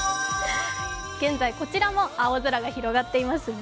現在、こちらも青空が広がっていますね。